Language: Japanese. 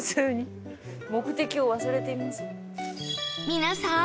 皆さん！